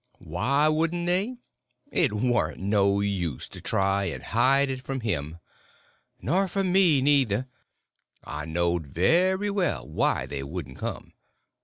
Why wouldn't they? It warn't no use to try and hide it from Him. Nor from me, neither. I knowed very well why they wouldn't come.